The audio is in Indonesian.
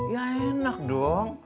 ya enak dong